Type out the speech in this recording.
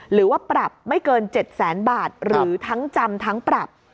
หรือว่าปรับไม่เกิน๗แสนบาทหรือทั้งจำทั้งปรับ